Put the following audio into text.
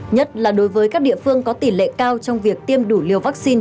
nhất là đối với các địa phương có tỷ lệ cao trong việc tiêm đủ liều vaccine